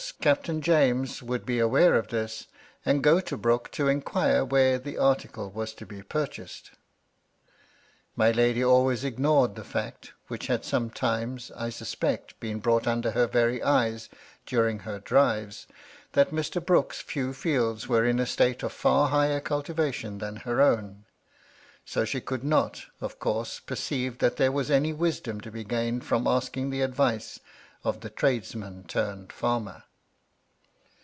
Captain James would be aware of this, and go to Brooke to inquire where the article was to be purchased." My lady always ignored the fact which had some times, I suspect, been brought under her very eyes ^1 318 mr lady ludlow. I ; If Aning her dnreSf that Air. Brooke's few fields were in a «Uie of fiu* higher cnltiTatioD than her own ; so she could not of coune, percave that there was any wis don to be gained from asking the adyice of the trades inaa turned firaier.